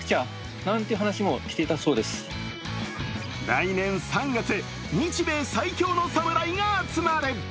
来年３月、日米最強の侍が集まる。